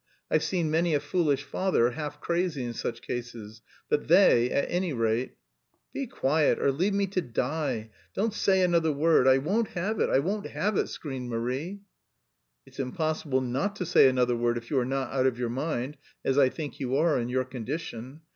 "I've seen many a foolish father, half crazy in such cases. But they, at any rate..." "Be quiet or leave me to die! Don't say another word! I won't have it, I won't have it!" screamed Marie. "It's impossible not to say another word, if you are not out of your mind, as I think you are in your condition.